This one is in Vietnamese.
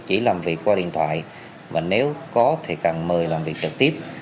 chỉ làm việc qua điện thoại và nếu có thì cần mời làm việc trực tiếp